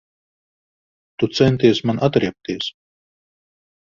Tu centies man atriebties.